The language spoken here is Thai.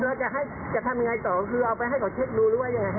เราจะให้จะทำยังไงต่อคือเอาไปให้เขาเช็คดูหรือว่ายังไง